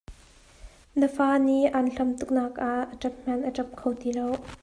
Na fa nih aan hlam tuk nak ah a ṭap hmanh a ṭap kho ti lo.